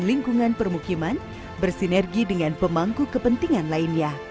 lingkungan permukiman bersinergi dengan pemangku kepentingan lainnya